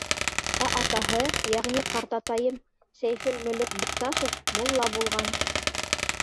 Ә атаһы, йәғни ҡартатайым Сәйфелмөлөк Бикташев, мулла булған.